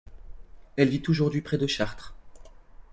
Elle vit aujourd'hui près de Chartres.